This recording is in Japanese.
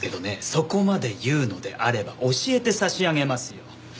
そこまで言うのであれば教えて差し上げますよ。